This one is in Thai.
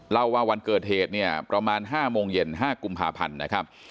เล่าว่าวันเกิดเหตุเนี่ยประมาณ๕โมงเย็น๕กุมภาพันธ์นะครับ